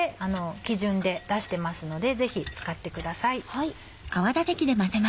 基準で出してますのでぜひ使ってください。